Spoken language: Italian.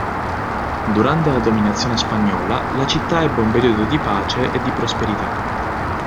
Durante la dominazione spagnola, la città ebbe un periodo di pace e di prosperità.